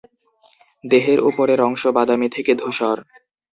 দেহের ওপরের অংশ বাদামি থেকে ধূসর।